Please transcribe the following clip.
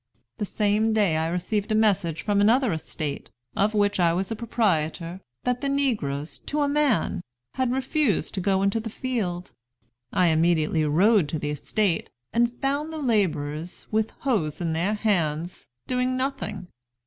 The same day I received a message from another estate, of which I was proprietor, that the negroes, to a man, had refused to go into the field. I immediately rode to the estate, and found the laborers, with hoes in their hands, doing nothing.